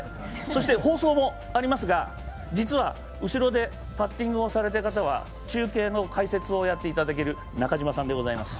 そして放送もありますが、実は、後ろでパッティングをされている方は中継の解説をやっていただける中嶋さんでございます。